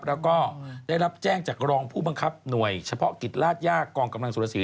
แล้วก็ได้รับแจ้งจากรองผู้บังคับหน่วยเฉพาะกิจราชยากกองกำลังสุรสี